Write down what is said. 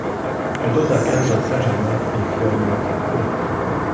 Elle donne la cage à Saint-Germain et ferme la fenêtre.